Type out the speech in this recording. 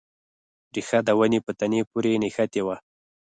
ریښه د ونې په تنې پورې نښتې وه.